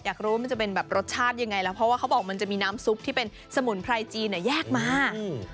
อยากรู้ว่ามันจะเป็นแบบรสชาติยังไงแล้วเพราะว่าเขาบอกมันจะมีน้ำซุปที่เป็นสมุนไพรจีนอ่ะแยกมาอืม